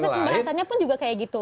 proses pembahasannya pun juga kayak gitu